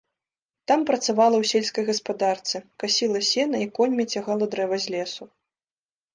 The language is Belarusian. Там працавала ў сельскай гаспадарцы, касіла сена і коньмі цягала дрэва з лесу.